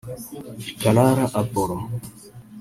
Karara Apollo